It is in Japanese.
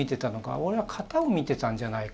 俺は型を見てたんじゃないか。